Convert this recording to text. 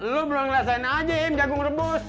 lo belum rasain aja em jagung rebus